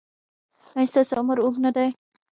ایا ستاسو عمر اوږد نه دی؟